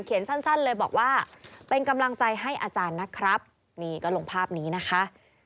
สั้นเลยบอกว่าเป็นกำลังใจให้อาจารย์นะครับนี่ก็ลงภาพนี้นะคะ